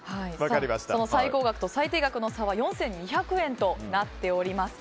その最高額と最低額の差は４２００円となっております。